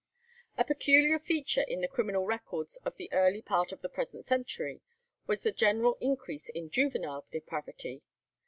A peculiar feature in the criminal records of the early part of the present century was the general increase in juvenile depravity.